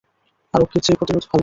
আরোগ্যের চেয়ে প্রতিরোধ ভালো।